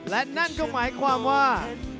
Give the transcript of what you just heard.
และนั่นก็หมายความว่า